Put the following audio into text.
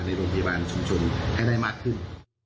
ในโรงพยาบาลชุมชนให้ได้มากขึ้น